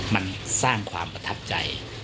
มันสร้างความประทับใจ